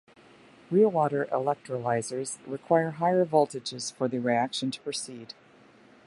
Real water electrolysers require higher voltages for the reaction to proceed.